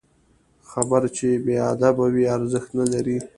خبرې چې بې ادبه وي، ارزښت نلري